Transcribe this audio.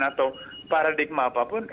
atau paradigma apapun